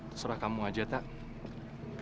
terserah kamu aja tak